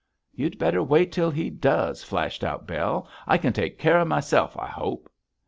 'You'd better wait till he does,' flashed out Bell. 'I can take care of myself, I hope.'